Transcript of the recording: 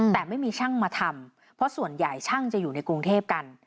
แต่ไม่มีช่างมาทำเพราะส่วนใหญ่ช่างจะอยู่ในกรุงเทพกัน